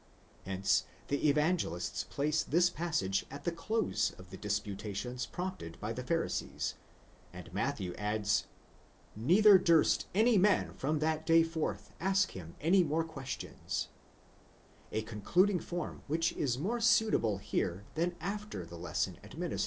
Hence the Evangelists place this passage at the close of the disputations prompted by the Pharisees, and Matthew adds, either durst any man from that day forth ask him any more questions : a concluding form which is more suitable here than after the lesson ad το bs 8.